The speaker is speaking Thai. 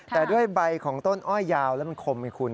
แต่ด้วยใบของต้นอ้อยยาวแล้วมันคมไงคุณ